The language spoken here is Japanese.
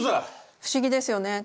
不思議ですよね。